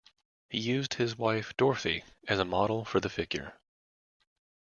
He used his wife, Dorothy, as a model for the figure.